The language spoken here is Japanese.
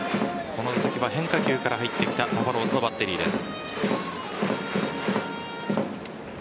この打席は変化球から入ってきたバファローズのバッテリーです。